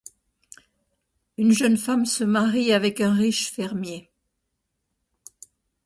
Une jeune femme se marie avec un riche fermier.